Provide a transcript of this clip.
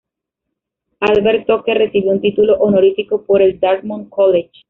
Albert Tucker recibió un título honorífico por el Dartmouth College.